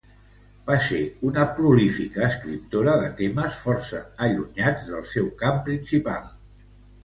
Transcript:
Va ser una prolífica escriptora de temes força allunyats del seu camp principal.